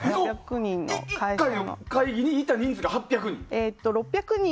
１回の会議にいた人数が８００人？